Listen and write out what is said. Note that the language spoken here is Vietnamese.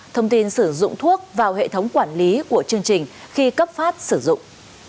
thông tin sử dụng thuốc vào hệ thống quản lý của chương trình khi cấp phát sử dụng